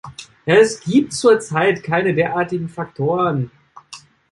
Es gibt zur Zeit keine derartigen Faktoren.